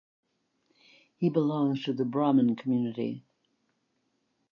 He belongs to Brahman community.